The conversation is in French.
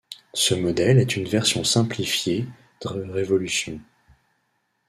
Ce modèle est une version simplifiée dr Révolution.